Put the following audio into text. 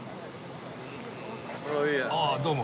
ああどうも。